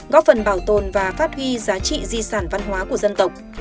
góp phần bảo tồn và phát huy giá trị di sản văn hóa của dân tộc